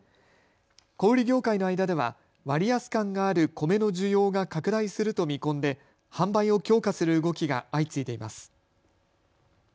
小売業界の間では割安感がある米の需要が拡大すると見込んで販売を強化する動きが相次いでいます。